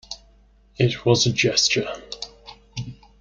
It was a gesture.